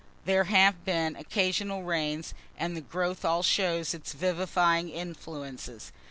There have been occasional rains, and the growths all show its vivifying influences.